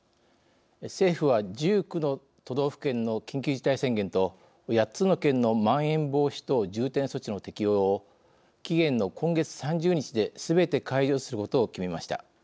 政府は、１９の都道府県の緊急事態宣言と８つの県のまん延防止等重点措置の適用を期限の今月３０日ですべて解除することを決めました。